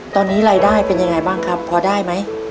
ตอนนี้รายได้เป็นยังไงบ้างครับพอได้ไหม